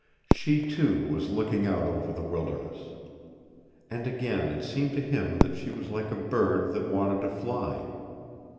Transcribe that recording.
She, too, was looking out over the wilderness. And again it seemed to him that she was like a bird that wanted to fly.